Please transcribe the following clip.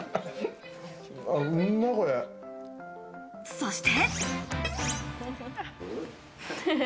そして。